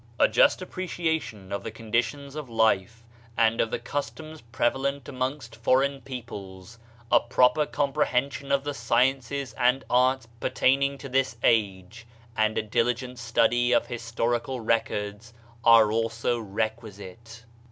A just appreciation of the conditions of liie, and of the customs prevalent amongst foreign peoples, a proper comprehension of the sciences and arts pertaining to this age, and a diligent study of historical records, are also requisite.